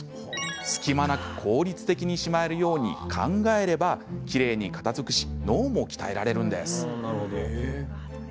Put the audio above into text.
隙間なく効率的にしまえるように考えればきれいに片づくし脳も鍛えられるんです。